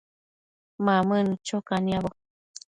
Mamënnu cho caniabo